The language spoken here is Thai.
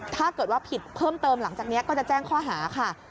ถ้าเกิดว่าผิดเพิ่มเติมหลังจากนี้ก็จะแจ้งข้อหาค่ะ